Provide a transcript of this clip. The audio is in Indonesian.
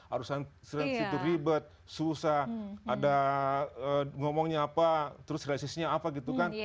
asuransi itu ribet susah ada ngomongnya apa terus realisisnya apa gitu kan